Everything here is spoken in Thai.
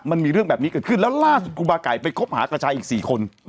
มันมีเรื่องแบบนี้เกิดขึ้นแล้วล่าสุดครูบาไก่ไปคบหากับชายอีก๔คน